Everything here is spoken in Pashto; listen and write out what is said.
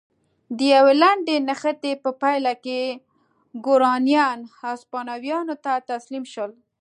د یوې لنډې نښتې په پایله کې ګورانیان هسپانویانو ته تسلیم شول.